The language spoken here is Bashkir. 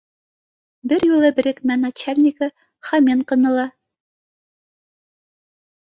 — Бер юлы берекмә начальнигы Хоменконы ла